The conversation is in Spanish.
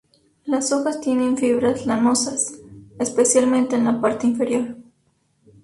Las hojas tienen fibras lanosas, especialmente en la parte inferior.